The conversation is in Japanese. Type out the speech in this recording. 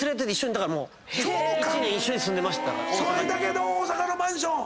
それだけで大阪のマンション。